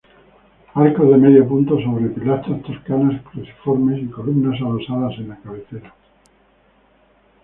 Arcos de medio punto sobre pilastras toscanas cruciformes y columnas adosadas en la cabecera.